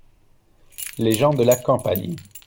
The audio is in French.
Les gens de la campagne.